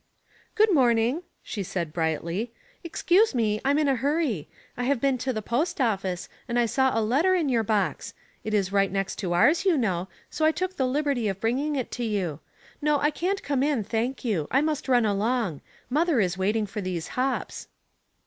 " Good morning," she said, brightly. " Ex cuse me, I'm in a hurry. I've been to the post ofi&ce, and I saw a letter in your box ; it is right next to ours, you know, so I took the liberty of bringing it to you. No, I can't come in, thank you. I must run along ; mother is waiting for these hops."